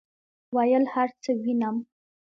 ویل هرڅه وینم،